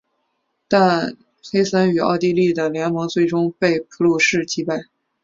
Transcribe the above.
但黑森与奥地利的联盟最终被普鲁士击败。